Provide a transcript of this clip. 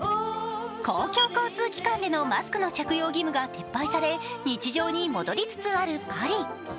公共交通機関でのマスクの着用義務が撤廃され日常に戻りつつあるパリ。